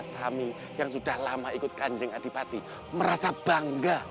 sami yang sudah lama ikut kanjeng adipati merasa bangga